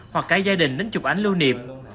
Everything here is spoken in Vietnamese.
hoặc cả gia đình đến chụp ánh lưu niệm